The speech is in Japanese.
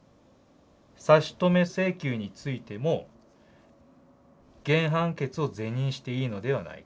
「差止請求についても原判決を是認していいのではないか」。